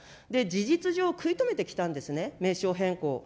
事実上、食い止めてきたんですね、名称変更を。